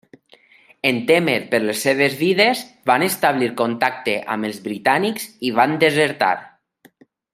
En témer per les seves vides, van establir contacte amb els britànics i van desertar.